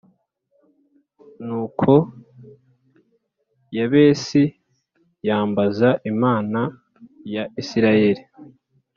Nuko Yabesi yambaza Imana ya Isirayeli